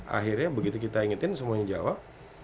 akhirnya begitu kita ingetin semuanya jawab